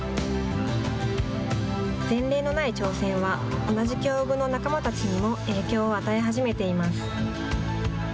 前例のない挑戦は同じ境遇の仲間たちにも影響を与え始めています。